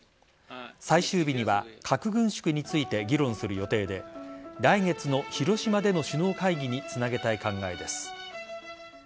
最終日には核軍縮について議論する予定で来月の広島での首脳会議につなげたい考えです。